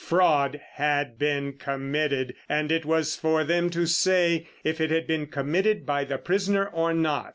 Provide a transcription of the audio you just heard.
Fraud had been committed, and it was for them to say if it had been committed by the prisoner or not.